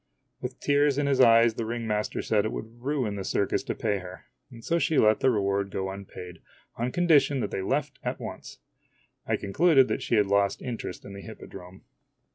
With tears in his eyes the ring master said it would ruin the circus to pay her, and so she let the reward go unpaid, on condition that they left at once. I concluded that she had lost interest in the hippodrome.